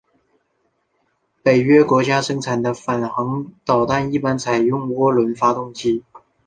北约国家生产的反舰导弹一般采用涡轮发动机。